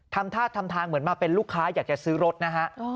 ทำท่าทำทางเหมือนมาเป็นลูกค้าอยากจะซื้อรถนะฮะ